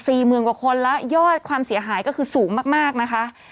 หมื่นกว่าคนแล้วยอดความเสียหายก็คือสูงมากมากนะคะ